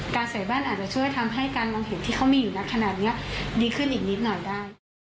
ใส่บ้านอาจจะช่วยทำให้การมองเห็นที่เขามีอยู่นักขนาดนี้ดีขึ้นอีกนิดหน่อยได้